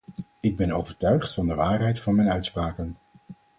Ik ben overtuigd van de waarheid van mijn uitspraken.